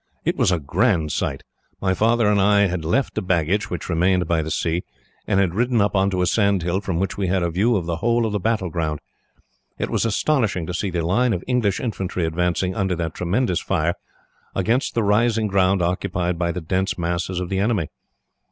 "It was a grand sight. My father and I had left the baggage, which remained by the sea, and had ridden up on to a sand hill, from which we had a view of the whole of the battleground. It was astonishing to see the line of English infantry advancing, under that tremendous fire, against the rising ground occupied by the dense masses of the enemy.